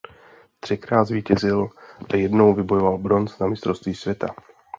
Třikrát zvítězil a jednou vybojoval bronz na mistrovství světa.